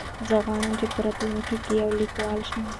زه غواړم چې په راتلونکي کې یو لیکوال شم.